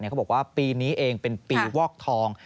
เขาบอกว่าปีนี้เองเป็นปีวอกทอง